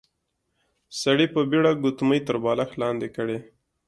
سړي په بيړه ګوتمۍ تر بالښت لاندې کړې.